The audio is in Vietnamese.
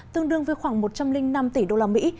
tương đương với khoảng một trăm linh năm tỷ đô la mỹ